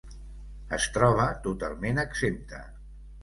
Es troba totalment exempta.